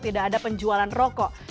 tidak ada penjualan roko